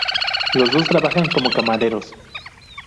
Los dos trabajaban como camareros.